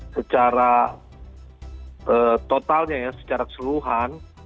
secara totalnya ya secara keseluruhan